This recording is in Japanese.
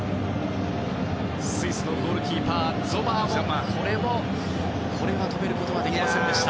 スイスのゴールキーパーゾマーも止めることができませんでした。